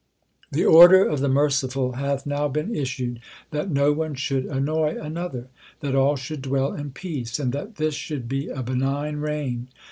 The order of the Merciful hath now been issued That no one should annoy another ; That all should dwell in peace, and that this should be a benign reign.